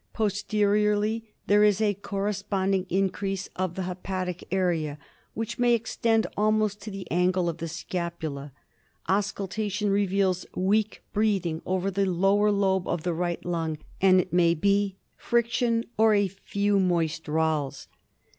Posteriorly there is a corre sponding increase of the hepatic area, which may extend almost to the angle of the scapula. Auscultation revecils weak breathing over the lower lobe of the right lung, and it may be friction or a few moist rales.